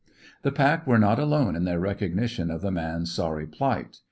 The pack were not alone in their recognition of the man's sorry plight.